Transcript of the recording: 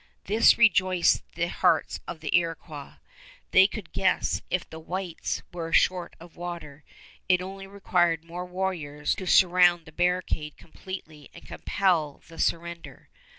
This rejoiced the hearts of the Iroquois. They could guess if the whites were short of water, it only required more warriors to surround the barricade completely and compel surrender.